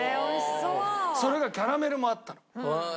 それがキャラメルもあったの。